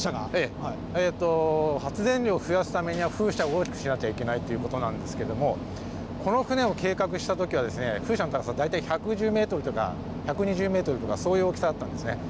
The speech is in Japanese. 発電量を増やすためには風車を大きくしなきゃいけないということなんですけれども、この船を計画したときは、風車の高さ、大体１１０メートルとか、１２０メートルとかそういう大きさだったんですね。